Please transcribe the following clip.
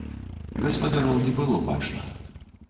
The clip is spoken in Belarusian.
Гаспадароў не было бачна.